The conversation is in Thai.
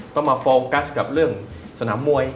ต้องมาโฟกัสกับเรื่องสนามมวย